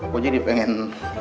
kok jadi pengen